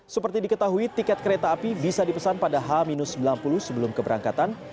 seperti diketahui tiket kereta api bisa dipesan pada h sembilan puluh sebelum keberangkatan